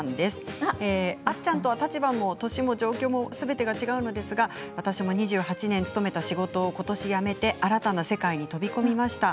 あっちゃんとは立場も年も状況すべてが違うのですが私も２８年勤めた仕事をことしやめて新たな世界に飛び込みました。